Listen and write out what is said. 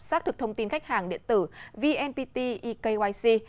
xác thực thông tin khách hàng điện tử vnpt ekyc